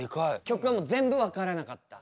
曲がもう全部わからなかった。